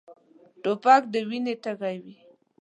توپک د وینې تږی وي.